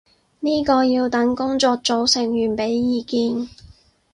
呢個要等工作組成員畀意見